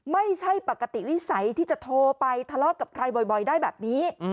ไม่ใช่ปกติวิสัยที่จะโทรไปทะเลาะกับใครบ่อยได้แบบนี้